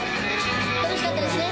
楽しかったですね？